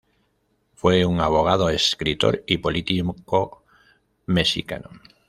Fue un abogado, escritor y político mexicano.